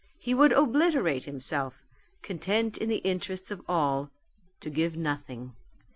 He would obliterate himself, content in the interests of all, to give nothing.